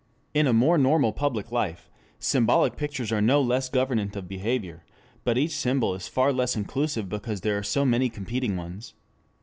In a more normal public life, symbolic pictures are no less governant of behavior, but each symbol is far less inclusive because there are so many competing ones.